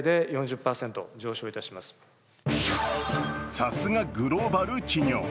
さすがグローバル企業。